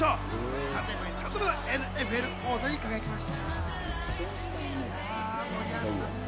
３年ぶり３度目のＮＦＬ王座に輝きました！